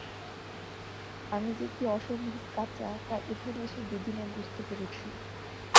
আমি যে কী অসম্ভব কাঁচা, তা এখানে এসে দুদিনে বুঝতে পেরেছি।